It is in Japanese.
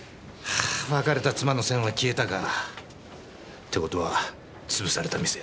はぁ別れた妻の線は消えたか。って事は潰された店。